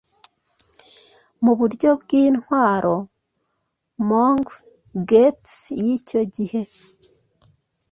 Muburyo bwintwaro mong Geats yicyo gihe